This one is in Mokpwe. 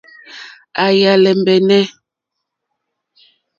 Yà á !lɛ́mbɛ́nɛ́.